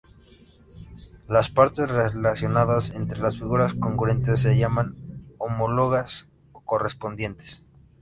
Las partes relacionadas entre las figuras congruentes se llaman homólogas o correspondientes.